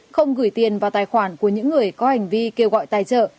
không gửi tiền vào tài khoản của những người có hành vi kêu gọi tài trợ